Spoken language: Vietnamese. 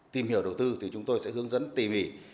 tìm hiểu đầu tư thì chúng tôi sẽ hướng dẫn tỉ mỉ